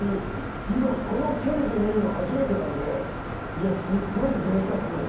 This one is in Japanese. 今この距離で見るの初めてなんでいやすごい贅沢！